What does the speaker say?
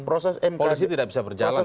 polisi tidak bisa berjalan